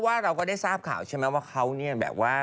ว่าเราก็ได้ทราบข่าวว่าเขานี่แตกว่า